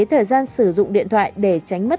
thời gian sử dụng điện thoại để tránh mất